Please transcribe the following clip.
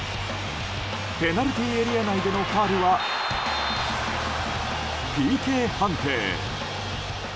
ペナルティーエリア内でのファウルはＰＫ判定。